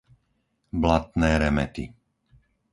Blatné Remety